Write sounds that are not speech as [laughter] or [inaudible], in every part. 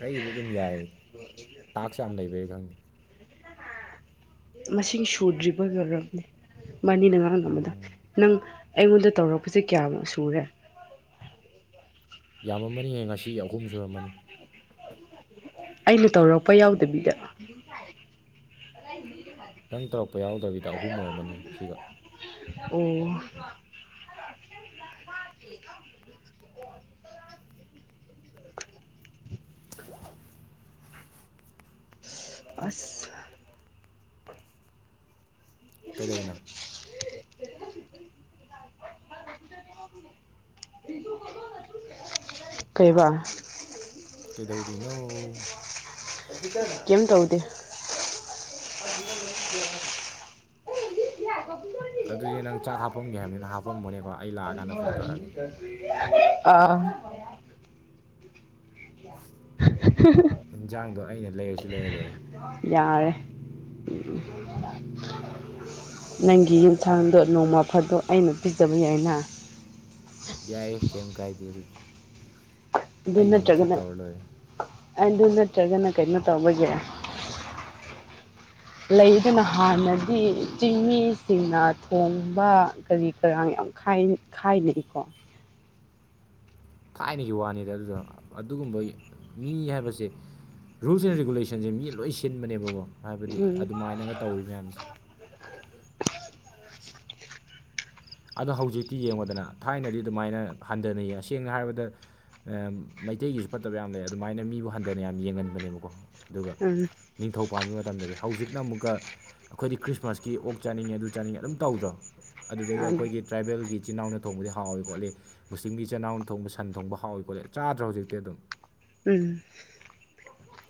ꯑꯩꯒꯤꯗꯤ ꯑꯗꯨꯝ ꯌꯥꯏꯌꯦ ꯇꯥꯛꯁ ꯌꯥꯝ ꯂꯩꯕꯩ ꯈꯪꯗꯦ ꯃꯁꯤꯡ ꯁꯨꯗ꯭ꯔꯤꯕ [unintelligible] ꯃꯥꯅꯤ ꯅ ꯉꯥꯡ ꯅꯝꯕꯗ ꯅꯪ ꯑꯩꯉꯣꯟꯗ ꯇꯧꯔꯛꯄꯁꯦ ꯀꯌꯥꯃꯨꯛ ꯁꯨꯔꯦ ꯌꯥꯝꯃ ꯃꯅꯤꯍꯦ ꯉꯁꯤ ꯑꯍꯨꯝ ꯁꯨꯔꯝꯃꯅꯤ ꯑꯩꯅ ꯇꯧꯔꯛꯄ ꯌꯥꯎꯗꯕꯤꯗ [unintelligible] ꯅꯪ ꯇꯧꯔꯛꯄ ꯌꯥꯎꯗꯕꯤꯗ ꯑꯍꯨꯝ ꯑꯣꯏꯔꯝꯃꯅꯤ ꯁꯤꯒ ꯑꯣ [unintelligible] ꯑꯁ ꯀꯩꯗꯧꯏꯅꯣ ꯀꯩꯕꯥ ꯀꯗꯧꯔꯤꯅꯣ ꯀꯦꯝ ꯇꯧꯗꯦ [unintelligible] ꯑꯗꯨꯗꯤ ꯅꯪ ꯆꯥꯛ ꯍꯥꯞꯄꯝꯒꯦ ꯍꯥꯏꯕꯅꯤꯅ ꯍꯥꯄꯝꯕꯅꯦꯀꯣ ꯑꯩ ꯂꯥꯛꯑꯀꯥꯟꯗ ꯐꯣꯟ ꯇꯧꯔꯛꯑꯒꯦ ꯑꯥ [unintelligible] [unintelligible] ꯌꯦꯟꯖꯥꯡꯗꯣ ꯑꯩꯅ ꯂꯩꯔꯁꯨ ꯂꯩꯔꯂꯣꯏꯔꯦ ꯌꯥꯔꯦ ꯅꯪꯒꯤ ꯏꯟꯁꯥꯡꯗꯣ ꯅꯣꯡꯃ ꯐꯗꯣꯛ ꯑꯩꯅ ꯄꯤꯖꯕ ꯌꯥꯏꯅ ꯌꯥꯏꯌꯦ ꯀꯝ ꯀꯥꯏꯗꯦ ꯑꯗꯨꯗꯤ ꯑꯗꯨ ꯑꯩꯅ ꯑꯃꯨꯛ ꯇ꯭ꯔꯤꯠ ꯅꯠꯇ꯭ꯔꯒꯅ ꯇꯧꯔ ꯂꯣꯏꯔꯦ ꯑꯗꯨ ꯅꯠꯇ꯭ꯔꯒꯅ ꯀꯩꯅꯣ ꯇꯧꯕꯒꯦ [unintelligible] ꯂꯩ ꯑꯗꯨꯅ ꯍꯥꯟꯅꯗꯤ ꯆꯤꯡꯃꯤꯁꯤꯡꯅ ꯊꯣꯡꯕ ꯀꯔꯤ ꯀꯔꯥꯡ ꯌꯥꯝ ꯈꯥꯏꯟ ꯈꯥꯏꯅꯩꯀꯣ ꯊꯥꯏꯅꯒꯤ ꯋꯥꯅꯤꯗ ꯑꯗꯨꯗꯣ ꯑꯗꯨꯒꯨꯝꯕ ꯃꯤ ꯍꯥꯏꯕꯁꯦ ꯔꯨꯜꯁ ꯑꯦꯟ ꯔꯤꯒꯨꯂꯦꯁꯟꯖꯦ ꯃꯤ ꯂꯣꯏ ꯁꯤꯟꯕꯅꯦꯕꯀꯣ ꯍꯥꯏꯕꯗꯤ ꯎꯝ ꯑꯗꯨꯃꯥꯏꯅꯒ ꯇꯧꯔꯤ ꯃꯌꯥꯝꯁꯦ ꯑꯗꯣ ꯍꯧꯖꯤꯛꯇꯤ ꯌꯦꯡꯉꯣꯗꯅ ꯊꯥꯏꯅꯗꯤ ꯑꯗꯨꯃꯥꯏꯅ ꯍꯟꯗꯥꯅ ꯌꯦꯡ ꯁꯦꯡꯅ ꯍꯥꯏꯔꯕꯗ ꯑꯦꯝ ꯃꯩꯇꯩꯒꯤꯁꯨ ꯐꯠꯇꯕ ꯌꯥꯝ ꯂꯩ ꯑꯗꯨꯃꯥꯏꯅ ꯃꯤꯕꯨ ꯍꯟꯗꯥꯅ ꯌꯥꯝ ꯌꯦꯡꯍꯟꯕꯅꯦꯕꯀꯣ ꯑꯗꯨꯒ ꯎꯝ ꯅꯤꯡꯊꯧ ꯄꯥꯟꯕ ꯃꯇꯝꯗꯗꯤ ꯍꯧꯖꯤꯛꯅ ꯑꯃꯨꯛꯀ ꯑꯈꯣꯏꯗꯤ ꯈ꯭ꯔꯤꯁꯃꯥꯁꯀꯤ ꯑꯣꯛ ꯆꯥꯅꯤꯡꯉꯦ ꯑꯗꯨ ꯆꯥꯅꯤꯡꯉꯦ ꯑꯗꯨꯝ ꯇꯧꯗ꯭ꯔꯣ ꯑꯗꯨꯗꯒꯤ ꯑꯩꯈꯣꯏꯒꯤ ꯇ꯭ꯔꯥꯏꯕꯦꯜꯒꯤ ꯏꯆꯤꯟ ꯏꯅꯥꯎꯅ ꯊꯣꯡꯕꯗꯤ ꯍꯥꯎꯋꯦ ꯈꯣꯠꯂꯤ ꯃꯨꯁꯂꯤꯝꯒꯤ ꯏꯆꯤꯟ ꯅꯥꯎꯅ ꯊꯣꯡꯕ ꯁꯟ ꯊꯣꯡꯕ ꯍꯥꯎꯋꯤ ꯈꯣꯠꯂꯤ ꯆꯥꯗ꯭ꯔꯣ ꯍꯧꯖꯤꯛꯇꯤ ꯑꯗꯨꯝ ꯎꯝ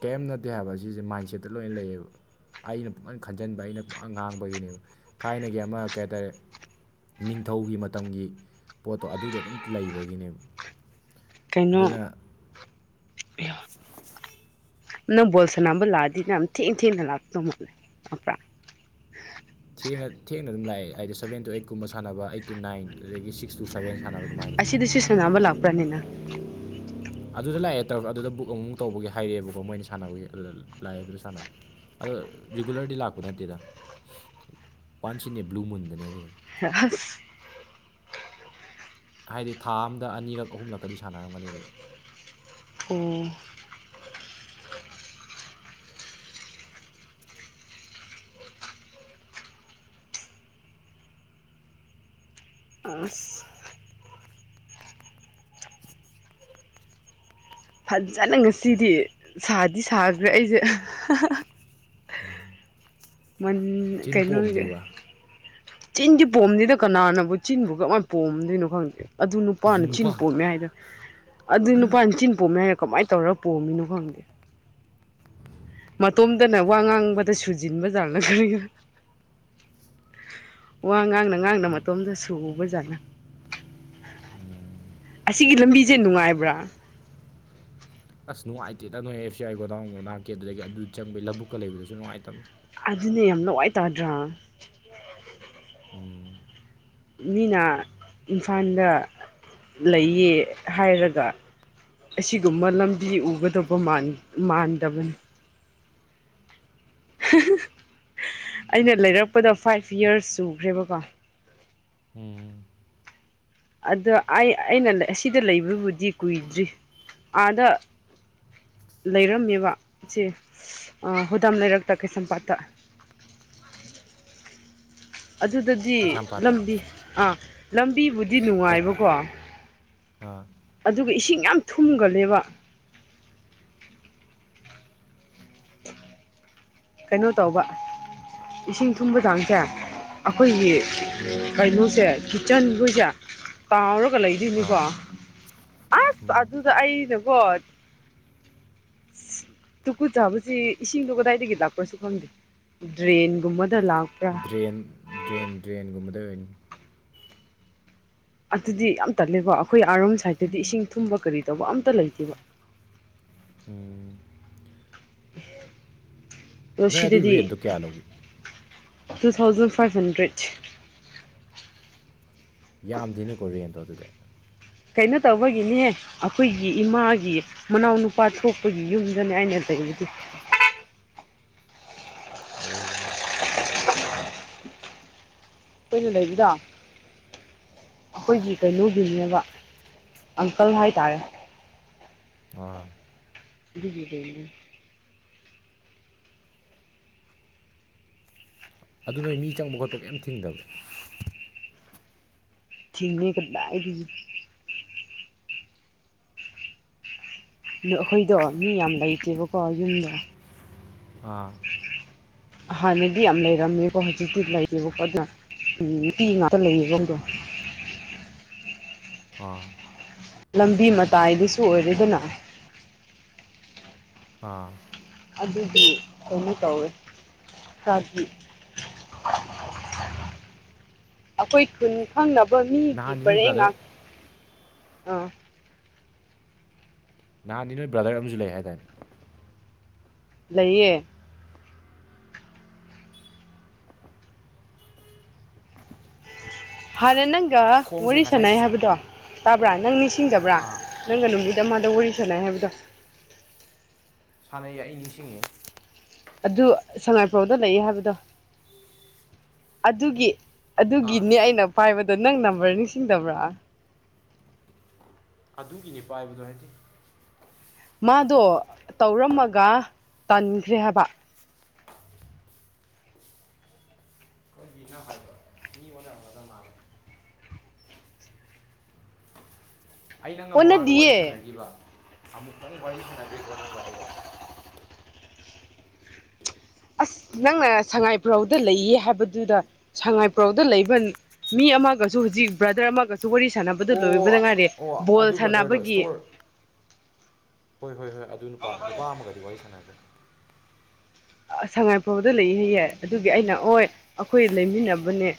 ꯀꯩꯝ ꯅꯠꯇꯦ ꯍꯥꯏꯕ ꯁꯤꯖꯦ ꯃꯥꯏꯟꯁꯦꯠꯇ ꯂꯣꯏ ꯂꯩꯌꯦꯕ ꯑꯩꯅ ꯄꯨꯡꯈꯟ ꯈꯟꯖꯟꯕ ꯑꯩꯅ ꯄꯨꯉꯥꯡ ꯉꯥꯡꯕꯒꯤꯅꯦꯕ ꯊꯥꯏꯅꯒꯤ ꯑꯃ ꯀꯩꯍꯥꯏ ꯇꯥꯔꯦ ꯅꯤꯡꯊꯧꯒꯤ ꯃꯇꯝꯒꯤ ꯄꯣꯠꯇꯣ ꯑꯗꯨꯗ ꯑꯗꯨꯝ ꯂꯩꯕꯒꯤꯅꯦꯕ ꯀꯩꯅꯣ ꯑꯗꯨꯅ [unintelligible] ꯊꯦꯡꯉ ꯊꯦꯡꯅ ꯑꯗꯨꯝ ꯂꯥꯛꯑꯦ ꯍꯥꯏꯗꯤ ꯁꯕꯦꯟ ꯇꯨ ꯑꯩꯠ ꯀꯨꯝꯕ ꯁꯥꯟꯅꯕ ꯑꯩꯠ ꯇꯨ ꯅꯥꯏꯟ ꯑꯗꯒꯤ ꯁꯤꯛꯁ ꯇꯨ ꯁꯕꯦꯟ ꯁꯥꯟꯅꯕ ꯑꯗꯨꯃꯥꯏꯅ ꯁꯤꯁꯤ ꯁꯟꯅꯕ ꯂꯥꯛꯄ꯭ꯔꯥꯅꯦ ꯅꯪ ꯑꯗꯨꯗ ꯂꯥꯛꯑꯦ ꯇꯧꯔ ꯑꯗꯨꯗ ꯕꯨꯛ ꯑꯃꯨꯛ ꯇꯧꯕꯒꯤ ꯍꯥꯏꯔꯛꯑꯦꯕꯀꯣ ꯃꯣꯏꯅ ꯁꯥꯟꯅꯕꯒꯤ ꯑꯗꯨꯗ ꯂꯥꯛꯑꯦ ꯑꯗꯨꯗ ꯁꯥꯟꯅꯕ ꯑꯗꯣ ꯔꯤꯒꯨꯂꯔꯗꯤ ꯂꯥꯛꯄ ꯅꯠꯇꯦꯗ ꯋꯥꯟꯁ ꯏꯟ ꯑꯦ ꯕ꯭ꯂꯨ ꯃꯨꯟꯗꯅꯦ ꯑꯗꯨꯗ [unintelligible] ꯍꯥꯏꯗꯤ ꯊꯥ ꯑꯝꯗ ꯑꯅꯤꯔꯛ ꯑꯍꯨꯝꯂꯛꯀꯗꯤ ꯁꯥꯟꯅꯔꯝꯒꯅꯤ ꯑꯗꯨꯗ ꯑꯣ ꯑꯁ [unintelligible] ꯐꯖꯥꯅ ꯉꯁꯤꯗꯤ ꯁꯥꯗꯤ ꯁꯥꯒ꯭ꯔꯦ ꯑꯩꯖꯦ ꯃꯟ ꯆꯤꯟ ꯀꯩꯅꯣꯒꯤ ꯄꯣꯝꯗ꯭ꯔꯤꯕ ꯆꯤꯟꯗꯤ ꯄꯣꯝꯗꯦꯗ ꯀꯅꯥꯅꯕꯨ ꯆꯤꯟꯕꯨ ꯀꯃꯥꯏꯅ ꯄꯣꯝꯗꯣꯏꯅꯣ ꯈꯪꯗꯦ ꯑꯗꯨ ꯅꯨꯄꯥꯅ ꯆꯤꯟ ꯅꯨꯄꯥ ꯄꯣꯝꯃꯦ ꯍꯥꯏꯗ ꯑꯗꯨ ꯅꯨꯄꯥꯅ ꯆꯤꯟ ꯄꯣꯝꯃꯦꯞ ꯀꯃꯥꯏ ꯇꯧꯔ ꯄꯣꯝꯃꯤꯅꯣ ꯈꯪꯗꯦ [unintelligible] ꯋꯥ ꯉꯥꯡꯅ ꯉꯥꯡꯅ ꯃꯇꯣꯝꯗꯁꯨ ꯇꯨꯕꯖꯥꯠꯂ ꯑꯁꯤꯒꯤ ꯂꯝꯕꯤꯖꯦ ꯅꯨꯡꯉꯥꯏꯕ꯭ꯔꯥ ꯑꯁ ꯅꯨꯡꯉꯥꯏꯇꯦꯗ ꯅꯣꯏ ꯑꯦꯐ ꯁꯤ ꯑꯥꯏ ꯒꯣꯗꯥꯎꯟ ꯅꯥꯛꯀꯦꯗꯨꯗꯒꯤ ꯑꯗꯨ ꯆꯪꯕꯩ ꯂꯧꯕꯨꯛꯀ ꯂꯩꯕꯗꯨꯁꯨꯅꯨꯡꯉꯥꯏꯇꯕꯅꯤ ꯑꯗꯨꯅꯦ ꯌꯥꯝ ꯅꯋꯥꯏꯇꯥꯗ꯭ꯔꯥ ꯎꯝ ꯃꯤꯅꯥ ꯏꯝꯐꯥꯜꯗ ꯂꯩꯌꯦ ꯍꯥꯏꯔꯒ ꯑꯁꯤꯒꯨꯝꯕ ꯂꯝꯕꯤ ꯎꯒꯗꯕ ꯃꯥꯟ ꯃꯥꯟꯗꯕꯅꯤ ꯍꯥꯍꯥ ꯑꯩꯅ ꯂꯩꯔꯛꯄꯗ ꯐꯥꯏꯚ ꯌꯔꯁ ꯁꯨꯈ꯭ꯔꯦꯕꯀꯣ ꯎꯝ ꯑꯗ ꯑꯩ ꯑꯩꯅ ꯂꯩ ꯁꯤꯗ ꯂꯩꯕꯕꯨꯗꯤ ꯀꯨꯏꯗ꯭ꯔꯤ ꯑꯥꯗ ꯂꯩꯔꯝꯅꯦꯕ ꯁꯦ ꯑ ꯍꯨꯗꯥꯝ ꯂꯩꯔꯛꯇ ꯀꯩꯁꯝꯄꯥꯠꯇ ꯑꯗꯨꯗꯗꯤ ꯀꯩꯁꯥꯝꯄꯥꯠꯇ ꯂꯝꯕꯤ ꯑꯥ ꯂꯝꯕꯤꯕꯨꯗꯤ ꯅꯨꯡꯉꯥꯏꯕꯀꯣ ꯑꯥ ꯑꯗꯨꯒ ꯏꯁꯤꯡ ꯌꯥꯝ ꯊꯨꯝꯒꯂꯦꯕ ꯀꯩꯅꯣ ꯇꯧꯕ ꯏꯁꯤꯡ ꯊꯨꯝꯕ ꯆꯥꯡꯁꯦ ꯑꯈꯣꯏꯒꯤ ꯀꯩꯅꯣꯁꯦ ꯀꯤꯠꯆꯟꯈꯣꯏꯁꯦ ꯇꯥꯎꯔꯒ ꯂꯩꯗꯣꯏꯅꯤꯀꯣ ꯑꯥ ꯑꯁ ꯑꯗꯨ ꯑꯗ ꯑꯩꯅꯀꯣ ꯇꯨꯀꯨ ꯆꯥꯕ ꯁꯤ ꯏꯁꯤꯡꯗꯣ ꯀꯗꯥꯏꯗꯒꯤ ꯂꯥꯛꯄ꯭ꯔꯁꯨ ꯈꯪꯗꯦ ꯗ꯭ꯔꯦꯟꯒꯨꯝꯕꯗ ꯂꯥꯛ ꯗ꯭ꯔꯦꯟ ꯗ꯭ꯔꯦꯟ ꯗ꯭ꯔꯦꯟꯒꯨꯝꯕꯗ ꯑꯣꯏꯅꯤ ꯑꯗꯨꯗꯤ ꯌꯥꯝ ꯇꯠꯂꯦꯕꯣ ꯑꯈꯣꯏ ꯑꯥꯔꯣꯝ ꯁꯥꯏꯠꯇꯗꯤ ꯏꯁꯤꯡ ꯊꯨꯝꯕ ꯀꯔꯤ ꯇꯧꯕ ꯑꯝꯇ ꯂꯩꯇꯦꯕ ꯑꯣ ꯅꯣꯏ ꯑꯗꯨ ꯁꯤꯗꯗꯤ ꯔꯦꯟꯇꯣ ꯀꯌꯥ ꯂꯧꯒꯦ ꯇꯨ ꯊꯥꯎꯖꯟ ꯐꯥꯏꯚ ꯍꯟꯗ꯭ꯔꯦꯠ ꯌꯥꯝꯗꯦꯅꯦꯀꯣ ꯔꯦꯟꯗꯣ ꯑꯗꯨꯗꯤ ꯀꯩꯅꯣ ꯇꯧꯕꯒꯤꯅꯤꯍꯦ ꯑꯈꯣꯏꯒꯤ ꯏꯃꯥꯒꯤ ꯃꯅꯥꯎꯅꯨꯄꯥ ꯊꯣꯛꯄꯒꯤ ꯌꯨꯝꯗꯅꯦ ꯑꯩꯅ ꯂꯩꯔꯤꯖꯤ ꯑꯣ ꯀꯨꯏꯅ ꯂꯩꯕꯗꯣ ꯑꯈꯣꯏꯒꯤ ꯀꯩꯅꯣꯒꯤꯅꯦꯕ ꯑꯪꯀꯜ ꯍꯥꯏꯇꯥꯔꯦ ꯑꯥ [inaudible] ꯑꯗꯨ ꯅꯣꯏ ꯃꯤ ꯆꯪꯕ ꯈꯣꯠꯄ ꯀꯦꯝ ꯊꯤꯡꯗꯕ ꯊꯤꯡꯉꯤ ꯀꯗꯥꯏꯗꯒꯤ ꯑꯩꯈꯣꯏꯗꯣ ꯃꯤ ꯌꯥꯝ ꯂꯩꯇꯦꯕꯀꯣ ꯌꯨꯝꯗꯣ ꯑꯥ ꯍꯥꯟꯅꯗꯤ ꯌꯥꯝ ꯂꯩꯔꯝꯃꯦꯕ ꯍꯧꯖꯤꯛꯇꯤ ꯂꯩꯇꯦꯕ ꯑꯗꯨꯅ ꯅꯨꯄꯤ ꯉꯥꯛꯇ ꯂꯩ [inaudible] ꯗꯣ꯫ ꯑꯥ ꯂꯝꯕꯤ ꯃꯇꯥꯏꯗꯨꯁꯨ ꯑꯣꯏꯔꯦꯗꯅ꯫ ꯑꯥ ꯑꯗꯨꯗꯤ ꯀꯩꯅꯣ ꯇꯧꯋꯦ ꯆꯗꯤ ꯑꯩꯈꯣꯏ ꯈꯨꯟ ꯈꯪꯅꯕ ꯃꯤꯒꯤ ꯅꯍꯥꯟꯗꯤ ꯅꯣꯏ ꯄꯔꯦꯡ ꯕ꯭ꯔꯗꯔ ꯉꯥꯛ ꯑꯥ ꯅꯍꯥꯟꯗꯤ ꯅꯣꯏ ꯕ꯭ꯔꯗꯔ ꯑꯃꯖꯨ ꯂꯩ ꯍꯥꯏꯗꯥꯏ ꯂꯩꯌꯦ ꯍꯥꯟꯅ ꯅꯪꯒ ꯈꯣꯡꯁꯦ ꯋꯥꯔꯤ ꯉꯁꯥꯏ ꯁꯥꯟꯅꯩ ꯁ- ꯍꯥꯏꯕꯗꯣ ꯇꯥꯕ꯭ꯔꯥ ꯅꯪ ꯅꯤꯡꯁꯤꯡꯗꯕ꯭ꯔꯥ ꯑꯥ ꯅꯪꯒ ꯅꯨꯃꯤꯠ ꯑꯃꯗ ꯋꯥꯔꯤ ꯁꯥꯟꯅꯩ ꯍꯥꯏꯕꯗꯣ ꯁꯥꯟꯅꯩ ꯑꯩ ꯅꯤꯡꯁꯤꯡꯉꯦ ꯑꯗꯨ ꯁꯉꯥꯏꯄ꯭ꯔꯥꯎꯗ ꯂꯩꯌꯦ ꯍꯥꯏꯕꯗꯣ ꯑꯗꯨꯒꯤ ꯑꯥ ꯑꯗꯨꯒꯤꯅꯦ ꯑꯩꯅ ꯄꯥꯏꯕꯗꯣ ꯅꯪ ꯅꯝꯕꯔ ꯅꯤꯡꯁꯤꯡꯗꯕ꯭ꯔꯥ ꯑꯗꯨꯒꯤꯅꯤ ꯄꯥꯏꯕꯗꯣ ꯍꯥꯏꯗꯤ ꯃꯥꯗꯣ ꯇꯧꯔꯝꯃꯒ ꯇꯟꯈ꯭ꯔꯦ ꯍꯥꯏꯕ ꯕꯤꯅ ꯍꯥꯏꯕ ꯃꯤ ꯑꯣꯗ ꯑꯃꯗ ꯃꯥꯜꯂꯦ ꯑꯩ ꯅꯪꯒ ꯃꯃꯥꯡꯗ ꯋꯥꯔꯤ ꯑꯣꯟꯅꯗꯤꯌꯦ ꯁꯥꯟꯅꯈꯤꯕ ꯑꯃꯨꯛꯇꯪ ꯋꯥꯔꯤ ꯁꯥꯟꯅꯈ꯭ꯔꯦꯀꯣ ꯅꯪꯒ ꯑꯩꯒ ꯑꯁ ꯅꯪꯅ ꯁꯉꯥꯏꯄ꯭ꯔꯧꯗ ꯂꯩꯌꯦ ꯍꯥꯏꯕꯗꯨꯗ ꯁꯉꯥꯏꯄ꯭ꯔꯧꯗ ꯂꯩꯕ ꯃꯤ ꯑꯃꯒꯁꯨ ꯍꯧꯖꯤꯛ ꯕ꯭ꯔꯗꯔ ꯑꯃꯒꯁꯨ ꯋꯥꯔꯤ ꯁꯥꯟꯅꯕ ꯑꯣ ꯑꯣ ꯑꯗꯨ ꯕ꯭ꯔꯗꯔꯗꯣ ꯁꯇꯣꯔ ꯍꯣꯏ ꯍꯣꯏ ꯍꯣꯏ ꯑꯗꯨ ꯅꯨꯄꯥ ꯅꯨꯄꯥ ꯑꯃꯒꯗꯤ ꯋꯥꯔꯤ ꯁꯥꯟꯅꯒ꯭ꯔꯦ ꯁꯉꯥꯏꯄꯨꯔꯧꯗ ꯂꯩꯍꯌꯦ ꯑꯗꯨꯒꯤ ꯑꯩꯅ ꯑꯣꯏ ꯑꯩꯈꯣꯏ ꯂꯩꯃꯤꯟꯅꯕꯅꯦ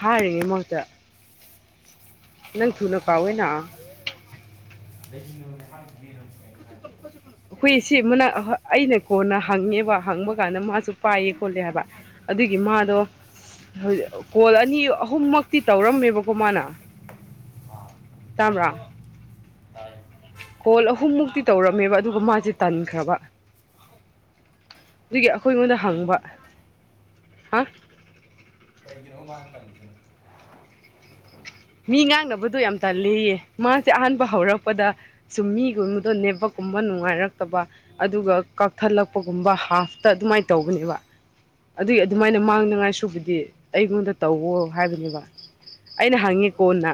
ꯍꯥꯏꯔꯤꯃꯠꯇ ꯅꯪ ꯊꯨꯅ ꯀꯥꯎꯑꯦꯅ [inaudible] ꯍꯨꯏꯁꯤ ꯃꯨꯅꯥ ꯑꯩꯅ ꯀꯣꯟꯅ ꯍꯪꯉꯦꯕ ꯍꯪꯕ ꯀꯥꯟꯗ ꯃꯥꯁꯨ ꯄꯥꯏꯌꯦ ꯈꯣꯠꯂꯦ ꯍꯥꯏꯕ ꯑꯗꯨꯒꯤ ꯃꯥꯗꯣ ꯀꯣꯜ ꯑꯅꯤ ꯑꯍꯨꯝꯃꯛꯇꯤ ꯇꯧꯔꯝꯃꯦꯕꯀꯣ ꯃꯥꯅ ꯑꯥ ꯇꯕ꯭ꯔꯥ ꯇꯥꯏ ꯀꯣꯜ ꯑꯍꯨꯝꯃꯨꯛꯇꯤ ꯇꯧꯔꯝꯃꯦꯕ ꯑꯗꯨꯒ ꯃꯥꯁꯦ ꯇꯟꯈ꯭ꯔꯕ ꯑꯗꯨꯒꯤ ꯑꯩꯈꯣꯏꯉꯣꯟꯗ ꯀꯩ ꯍꯪꯕ ꯍꯥ [inaudible] ꯃꯤ ꯉꯥꯡꯅꯕꯗꯣ ꯌꯥꯝ ꯇꯜꯂꯤꯌꯦ ꯃꯥꯁꯦ ꯑꯍꯥꯟꯕ ꯍꯧꯔꯛꯄꯗ ꯁꯨꯝ ꯃꯤꯒꯨꯝꯕꯗꯣ ꯅꯦꯕꯀꯨꯝꯕ ꯅꯨꯡꯉꯥꯏꯔꯛꯇꯕ ꯑꯗꯨꯒ ꯀꯛꯊꯠꯂꯛꯄꯒꯨꯝꯕ ꯍꯥꯐꯇ ꯑꯗꯨꯃꯥꯏꯅ ꯇꯧꯕꯅꯦꯕ ꯑꯗꯨꯒꯤ ꯑꯗꯨꯃꯥꯏꯅ ꯃꯥꯡꯅꯤꯉꯥꯏ ꯁꯨꯕꯨꯗꯤ ꯑꯩꯉꯣꯟꯗ ꯇꯧꯋꯣ ꯍꯥꯏꯕꯅꯦꯕ ꯑꯩꯅ ꯍꯪꯉꯦ ꯀꯣꯟꯅ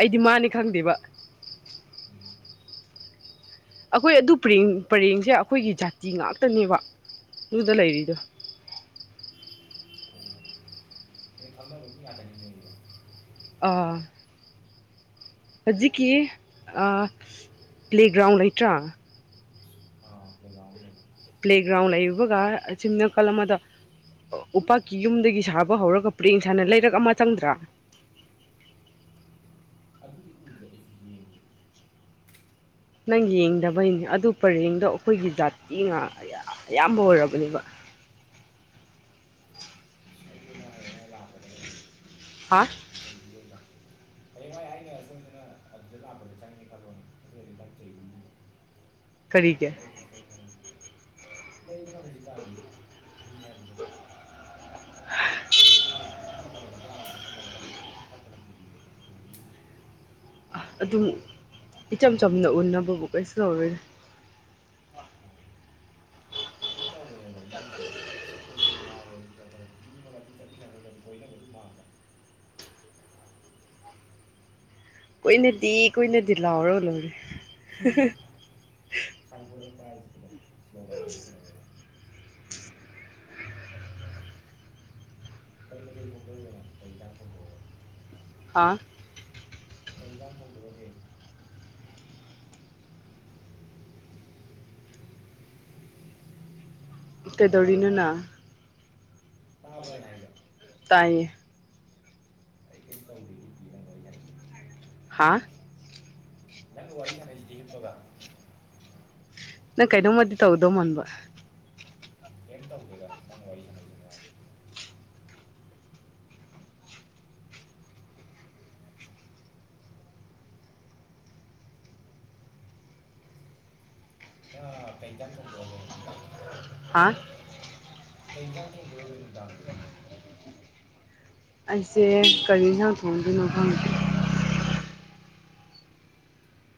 ꯑꯩꯗꯤ ꯃꯥꯅꯦ ꯈꯪꯗꯦꯕ ꯑꯩꯈꯣꯏ ꯑꯗꯨ ꯄꯔꯦꯡ ꯄꯔꯦꯡꯁꯦ ꯑꯩꯈꯣꯏꯒꯤ ꯖꯥꯇꯤ ꯉꯥꯛꯇꯅꯦꯕ ꯑꯗꯨꯗ ꯂꯩꯔꯤꯗꯣ [inaudible] ꯑꯥ ꯍꯧꯖꯤꯛꯀꯤ ꯑ ꯄ꯭ꯂꯦꯒ꯭ꯔꯥꯎꯟ ꯂꯩꯇ꯭ꯔꯥ ꯑꯥ ꯄ꯭ꯂꯦꯒ꯭ꯔꯥꯎꯟ ꯂꯣ ꯄ꯭ꯂꯦꯒ꯭ꯔꯥꯎꯟ ꯂꯩꯕꯒ ꯑ ꯑꯁꯤꯤꯝ ꯅꯥꯀꯜ ꯑꯃꯗ ꯎꯄꯥꯛꯀꯤ ꯌꯨꯝꯗꯒꯤ ꯁꯥꯕ ꯍꯧꯔꯒ ꯄꯨꯔꯛꯦꯡ ꯁꯥꯥꯟꯅ ꯂꯩꯔꯛ ꯑꯃ ꯆꯪꯗ꯭ꯔꯥ ꯑꯗꯨꯗꯤ ꯀꯔꯤ ꯍꯝ ꯅꯪ ꯌꯦꯡꯗꯕꯩꯅꯦ ꯑꯗꯨ ꯄꯔꯦꯡꯗꯣ ꯑꯩꯈꯣꯏꯒꯤ ꯖꯥꯇꯤ ꯉ ꯑꯌꯥꯝꯕ ꯑꯣꯏꯔꯕꯅꯦꯕ ꯑꯗꯨꯗꯤꯅ ꯍꯌꯦꯡ ꯑꯩ ꯂꯥꯛꯀꯗꯗꯒꯤꯗꯤ ꯍꯥ [unintelligible] ꯚꯏ ꯑꯩꯅ ꯁꯣꯏꯗꯅ ꯑꯗꯨꯗ ꯂꯥꯛꯄꯗ ꯆꯪꯉꯦ ꯈꯜꯂꯣꯅꯦ ꯅꯣꯏꯒꯤ ꯀꯔꯤꯒꯦ ꯕ꯭ꯔꯗꯔ ꯂꯩꯗꯅ ꯍꯧꯖꯤꯛꯀꯥꯟꯗꯤ [unintelligible] ꯅꯨꯄꯤ [inaudible] [unintelligible] [unintelligible] ꯑ ꯑꯗꯨꯝ ꯏꯆꯝ ꯆꯝꯅ ꯎꯟꯅꯅꯕꯕꯨ ꯀꯩꯁꯨ ꯂꯧꯔꯣꯏꯁ ꯑꯗꯨ ꯇꯧꯕꯅꯦꯕ ꯃꯤꯒꯤꯁꯨ ꯀ ꯃꯉꯥꯏꯌꯦ ꯀꯩꯔꯦ ꯃꯤ ꯑꯃꯒ ꯑꯗꯨꯝ ꯆꯠꯃꯤꯟꯅ ꯍꯥꯏꯔꯒꯗꯤ ꯀꯣꯏꯅꯕ ꯑꯗꯨꯝ ꯃꯥꯟꯥꯟꯕ ꯀꯨꯏꯅꯗꯤ ꯀꯨꯏꯅꯗꯤ ꯂꯥꯎꯔꯣ ꯂꯧꯔꯦ ꯁꯥꯏ ꯍꯥꯏ ꯁꯀ ꯀꯩꯅꯗꯤ ꯃ ꯂꯩꯔꯥꯛꯦ [unintelligible] ꯍꯥꯥ ꯖꯥ ꯐꯟ ꯑꯣꯏꯦ ꯍꯜꯂꯣ ꯀꯩꯗꯧꯔꯤꯅꯅ ꯇꯥꯕ꯭ꯔꯣ ꯑꯩꯅ ꯍꯥꯏꯁꯦ ꯇꯥꯏꯌꯦ ꯀ ꯇꯧꯕꯤ ꯏꯔꯉꯣꯏ ꯌꯥꯅꯤ ꯍꯥ ꯅꯪꯅ ꯋꯥꯔꯤ ꯁꯥꯟꯥꯏꯁꯤꯗꯤ ꯍꯕꯒ ꯅꯪ ꯀꯩꯅꯣꯧꯃꯗꯤ ꯇꯧꯗꯧꯥꯟꯕ ꯀꯩꯅ ꯇꯧꯗꯦꯗ ꯅꯪ ꯋꯥꯔꯤ ꯁꯥꯟꯅꯩꯁꯤꯅꯉꯥꯏ ꯅꯪ ꯀꯩ ꯆ ꯊꯣꯛꯇꯣꯔꯣꯒꯦꯔꯣ ꯗꯥ ꯍꯥꯥ ꯀꯩ ꯌꯦꯟꯁꯥꯡ ꯆꯣꯡꯗꯣꯔꯣꯒꯦ ꯅꯨꯡꯗꯥꯡꯒꯤ ꯑꯩꯁꯦ ꯀꯔꯤ ꯌꯦꯟꯁꯥꯡ ꯊꯣꯡꯗꯣꯏꯅꯣ ꯈꯪꯗꯦ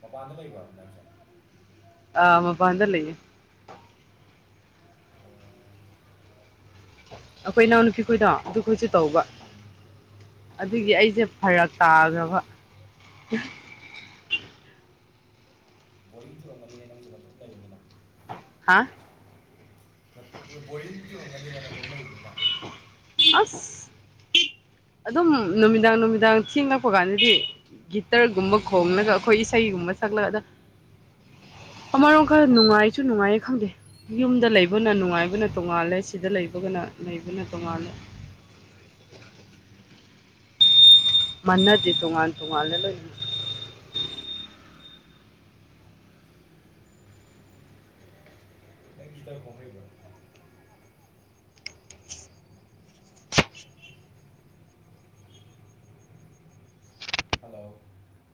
ꯃꯄꯥꯟꯗ ꯂꯩꯕꯁꯔꯦ ꯑꯥ ꯃꯄꯥꯟꯗꯔ ꯂꯩꯦ ꯑꯩꯈꯣꯏ ꯏꯅꯥꯎꯅꯄꯤ ꯈꯣꯏꯗꯣ ꯑꯗꯨ ꯈꯣꯏꯁꯨ ꯇꯧꯕ ꯑꯗꯨꯒꯤ ꯑꯩꯁꯦ ꯐꯔꯛ ꯇꯥꯕ ꯕꯣꯔꯤꯡ ꯆꯨꯔꯝꯒꯅꯤ ꯍꯥ ꯅꯥꯡꯁꯨ [unintelligible] ꯍꯥꯥ ꯕꯣꯔꯤꯡ ꯆꯔꯝꯒꯅꯤꯕ ꯅ ꯇꯧ ꯂꯩꯕꯒ ꯑꯁ [inaudible] ꯑꯗꯨꯝ ꯅꯨꯃꯤꯗꯥꯡ ꯅꯨꯃꯤꯗꯥꯡ ꯊꯦꯡꯂꯛꯄ ꯀꯥꯟꯗꯗꯤ ꯒꯤꯇꯔꯒꯨꯝꯕ ꯈꯣꯡꯅꯒ ꯑꯩꯈꯣꯏ ꯏꯁꯩꯒꯨꯝꯕ ꯁꯛꯂꯒꯗ ꯑꯃꯔꯣꯝꯀꯔ ꯅꯨꯡꯉꯥꯏꯁꯨ ꯅꯨꯡꯉꯥꯏꯌꯦ ꯈꯪꯗꯦ ꯌꯨꯝꯗ ꯂꯩꯕꯅ ꯅꯨꯡꯉꯥꯏꯕꯅ ꯇꯣꯡꯉꯥꯜꯂꯦ ꯁꯤꯗ ꯂꯩꯕꯒꯅ ꯂꯩꯕꯅ ꯇꯣꯡꯉꯥꯜꯂꯦ [unintelligible] ꯃꯥꯟꯅꯗꯦ ꯇꯣꯉꯥꯟ ꯇꯣꯉꯥꯟꯅ ꯂꯣꯏꯅꯩ ꯑꯩ ꯒꯤꯇꯔ ꯀꯣꯡ ꯍꯩꯕ